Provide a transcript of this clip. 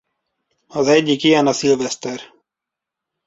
Az egyik ilyen a szilveszter.